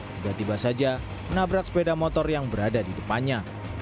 tiba tiba saja menabrak sepeda motor yang berada di depannya